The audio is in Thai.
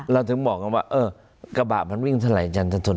เราถึงบอกกับว่ากระบะมันวิ่งไฟล์จานสะทน